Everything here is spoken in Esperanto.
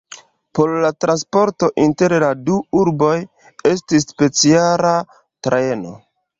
Por la transporto inter la du urboj estis speciala trajno.